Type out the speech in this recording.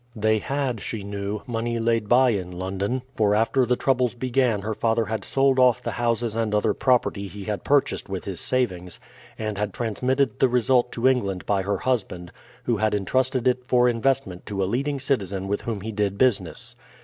They had, she knew, money laid by in London; for after the troubles began her father had sold off the houses and other property he had purchased with his savings, and had transmitted the result to England by her husband, who had intrusted it for investment to a leading citizen with whom he did business.